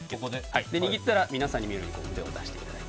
握ったら皆さんに見えるように腕を出していただいて。